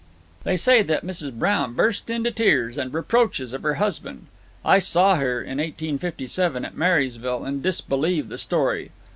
They say that Mrs. Brown burst into tears, and reproaches of her husband. I saw her, in 1857, at Marysville, and disbelieve the story.